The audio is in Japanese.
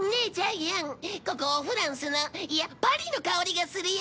ここおフランスのいやパリの香りがするよ！